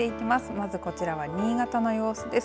まずこちらは新潟の様子です。